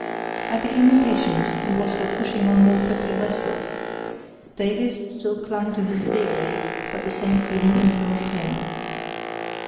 I became impatient, and was for pushing on more quickly westward. Davies still clung to his theory, but the same feeling influenced him.